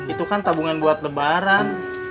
itu kan tabungan buat lebaran